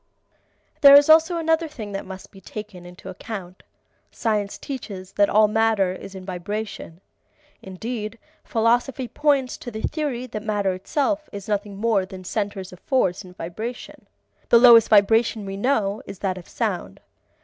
There is also another thing that must be taken into account. Science teaches that all matter is in vibration. Indeed, philosophy points to the theory that matter itself is nothing more than centers of force in vibration. The lowest vibration we know is that of sound.